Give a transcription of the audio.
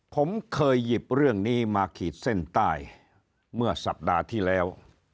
ผมเคยหยิบเรื่องนี้มาขีดเส้นใต้เมื่อสัปดาห์ที่แล้ว